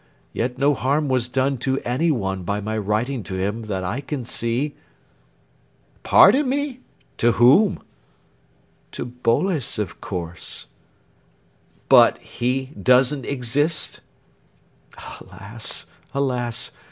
Yet no harm was done to any one by my writing to him that I can see..." "Pardon me to whom?" "To Boles, of course." "But he doesn't exist." "Alas! alas!